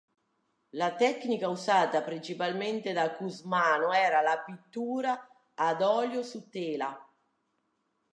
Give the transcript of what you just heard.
La tecnica usata principalmente da Cusmano era la pittura ad olio su tela.